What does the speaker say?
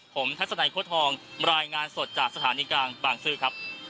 ผมทัศนัยโค้ดทองรายงานสดจากสถานีกลางบางซื่อครับ